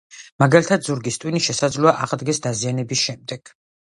მაგალითად, ზურგის ტვინი შესაძლოა აღდგეს დაზიანების შემდეგ.